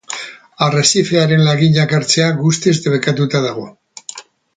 Arrezifearen laginak hartzea guztiz debekatuta dago.